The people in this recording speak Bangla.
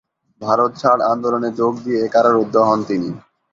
ভারত ছাড় আন্দোলনে যোগ দিয়ে কারারুদ্ধ হন তিনি।